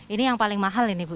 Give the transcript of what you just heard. ini yang paling mahal ini bu